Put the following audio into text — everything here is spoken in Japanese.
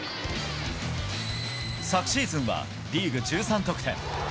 昨シーズンはリーグ１３得点。